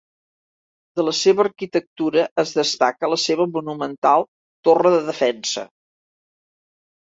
De la seva arquitectura en destaca la seva monumental torre de defensa.